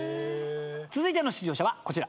続いての出場者はこちら。